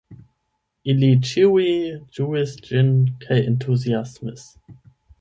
Ili ĉiuj ĝuis ĝin kaj entuziasmis.